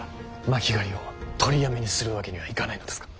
巻狩りを取りやめにするわけにはいかないのですか。